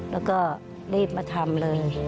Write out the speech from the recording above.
แล้วก็รีบมาทำเลย